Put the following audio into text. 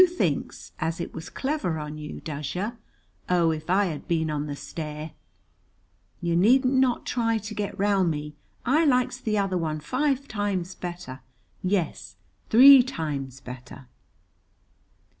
"You thinks as it was clever on you, does yer? Oh, if I had been on the stair! "You needn't not try to get round me. I likes the other one five times better; yes, three times better.